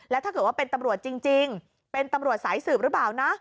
แล้วถ้าเกิดว่าเป็นตำรวจจริงเป็นตำรวจสายสืบหรือเปล่านะ